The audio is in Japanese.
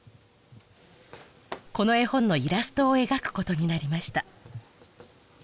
この絵本のイラストを描くことになりました